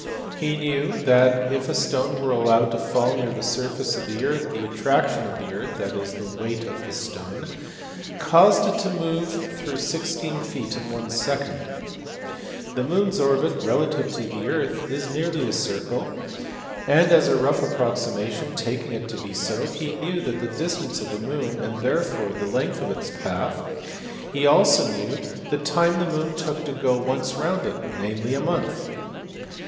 He knew that, if a stone were allowed to fall near the surface of the earth, the attraction of the earth (that is, the weight of the stone) caused it to move through 16 feet in one second. The moon s orbit relative to o the earth is nearly a circle ; and as a rough approximation taking it to be so, he knew the distance of the moon, and therefore the length of its path ; he also knew the time the moon took to go once round it, namely, a month.